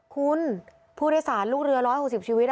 คุณผู้โดยสารลูกเรือ๑๖๐ชีวิต